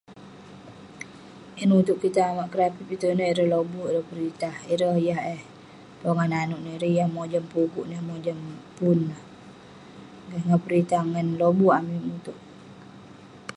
Yah nutouk kik tong amak kerapip itouk ineh, ireh lobuk ireh peritah ireh yah eh pongah nanouk neh, ireh yah pukuk nah mojam pun neh. Ngan peritah ngan lobuk amik mutouk.